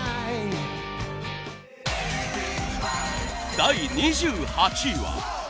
第２８位は。